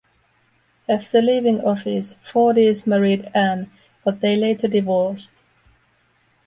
After leaving office, Fordice married Ann, but they later divorced.